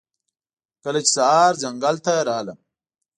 کله چې سهار ځنګل ته راغلم